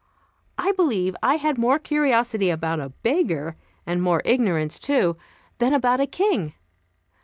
I believe I had more curiosity about a beggar, and more ignorance, too, than about a king.